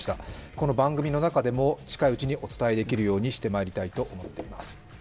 この番組の中でも近いうちにお伝えできるようにしてまいりたいと思います。